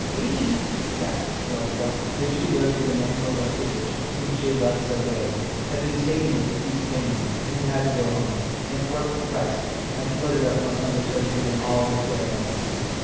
"Me?" gasped Flutter Duck. Then she learnt that Emanuel Lefkovitch, whom she had left so gay, had been taken with acute pains and had had to go home. And work pressed, and Flutter Duck must under study him in all her spare moments.